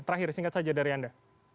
terakhir singkat saja dari anda